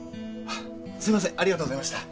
すみませんありがとうございました。